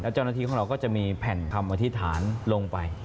เจ้าหน้าที่ของเราก็จะมีแผ่นคำอธิษฐานลงไป